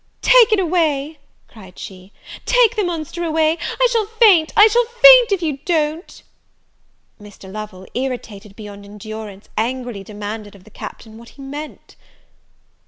"Take it away!" cried she, "take the monster away; I shall faint, I shall faint if you don't!" Mr. Lovel, irritated beyond endurance, angrily demanded of the Captain what he meant?